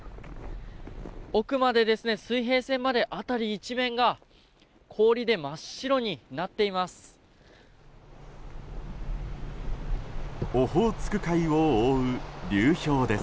奥まで、水平線まで辺り一面が氷で真っ白になっています。